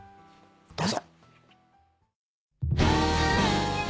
どうぞ。